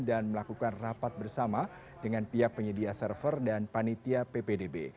dan melakukan rapat bersama dengan pihak penyedia server dan panitia ppdb